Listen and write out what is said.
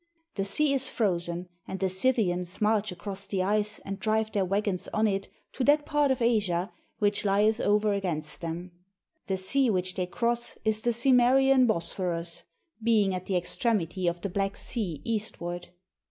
The sea is frozen, and the Scythians march across the ice and drive their wagons on it to that part of Asia which lieth over against them. The sea which they cross is the Cimmerian Bosphorus, being at the extremity of the Black Sea eastward.